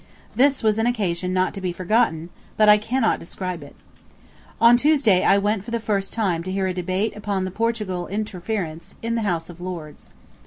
This was an occasion not to be forgotten, but I cannot describe it. On Tuesday I went for the first time to hear a debate upon the Portugal interference in the House of Lords.